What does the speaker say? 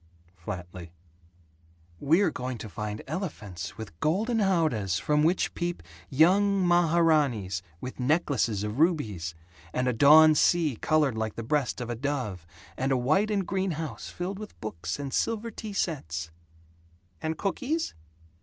flatly. "We're going to find elephants with golden howdahs from which peep young maharanees with necklaces of rubies, and a dawn sea colored like the breast of a dove, and a white and green house filled with books and silver tea sets." "And cookies?"